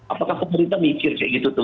apakah pemerintah mikir kayak gitu tuh